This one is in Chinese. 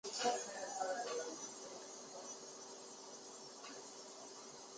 哭泣的流转的眼神